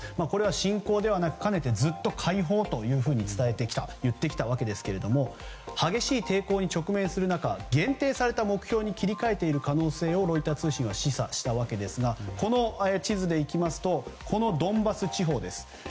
これは侵攻ではなくかねてずっと解放というふうに言ってきたわけですが激しい抵抗に直面する中限定された目標に切り替えている可能性をロイター通信は示唆したわけですがこの地図でいきますとこのドンバス地方です。